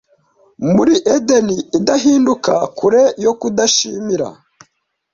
muri edeni idahinduka kure yo kudashimira